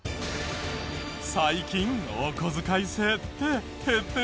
最近おこづかい制って減ってる？